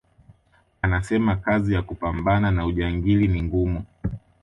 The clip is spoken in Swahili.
Anasema kazi ya kupambana na ujangili ni ngumu